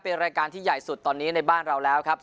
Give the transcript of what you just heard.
เป็นรายการที่ใหญ่สุดตอนนี้ในบ้านเราแล้วครับ